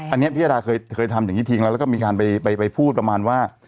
อันนี้พิยดาเคยทำอย่างนี้ทิ้งแล้วแล้วก็มีการไปพูดประมาณว่า